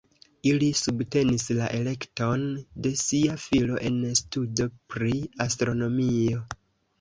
Ili subtenis la elekton de sia filo en studo pri astronomio.